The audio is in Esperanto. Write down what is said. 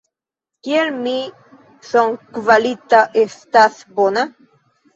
Kiel mia sonkvalito estas bona?